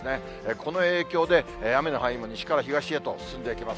この影響で、雨の範囲も西から東へと進んでいきます。